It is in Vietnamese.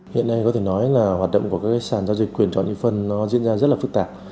hiện nay có thể nói là hoạt động của các sàn giao dịch quyền chọn nhị phân nó diễn ra rất là phức tạp